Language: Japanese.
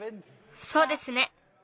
そうですね！